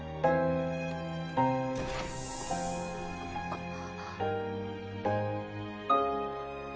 あっ。